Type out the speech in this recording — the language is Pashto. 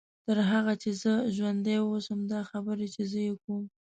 تر هغه چې زه ژوندۍ واوسم دا خبرې چې زه یې کوم.